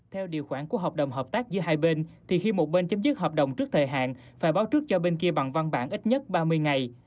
theo điều khoản của hợp đồng hợp tác giữa hai bên thì khi một bên chấm dứt hợp đồng trước thời hạn phải báo trước cho bên kia bằng văn bản ít nhất ba mươi ngày